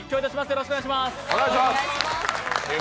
よろしくお願いします。